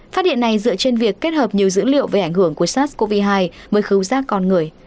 phát hiện này dựa trên việc kết hợp nhiều dữ liệu về ảnh hưởng của sars cov hai với khấu rác con người